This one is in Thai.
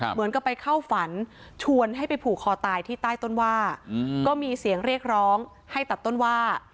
เหมือนกับไปเข้าฝันชวนให้ไปผูกคอตายที่ใต้ต้นว่าก็มีเสียงเรียกร้องให้ตัดต้นว่า